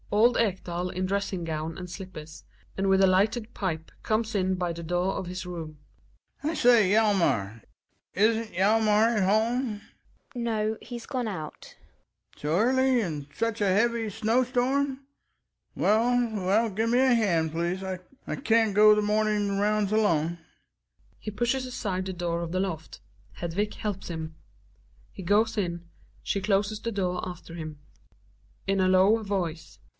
Old Ekdal in dressing gown and slippers, and with a lighted pipe comes in by the door of his room. Ekdal. I say, Hjalmar Isn't Hjalmar at home? Gina. No, he's gone out Ekdal. So early? And in such a heavy snow storm ? Well, well, give me a hand, please, I can go the morn ing rounds alone. He pushes ande the door of the loft, Hedvig helps him; he goes in, she closes the door after him. 118 THE WILD DUCK, Hedvig {in a low voice).